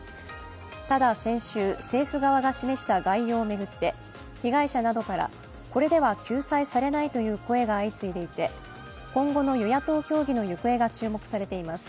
ただ、先週、政府側が示した概要を巡って被害者などから、これでは救済されないという声が相次いでいた今後の与野党協議の行方が注目されています。